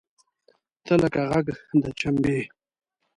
تۀ لکه غږ د چمبې !